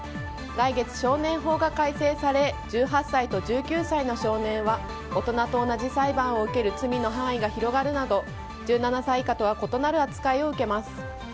来月、少年法が改正され１８歳と１９歳の少年は大人と同じ裁判を受ける罪の範囲が広がるなど１７歳以下とは異なる扱いを受けます。